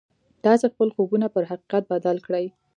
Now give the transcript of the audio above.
تاسې خپل خوبونه پر حقيقت بدل کړئ.